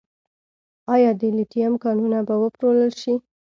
آیا د لیتیم کانونه به وپلورل شي؟